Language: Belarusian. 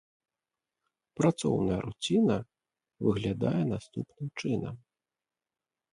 Працоўная руціна выглядае наступным чынам.